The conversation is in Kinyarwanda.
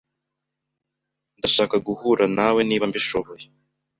Ndashaka guhura nawe niba mbishoboye.